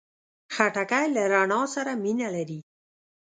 خټکی له رڼا سره مینه لري.